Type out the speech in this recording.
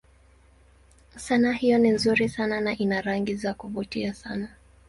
Sanaa hiyo ni nzuri sana na ina rangi za kuvutia sana.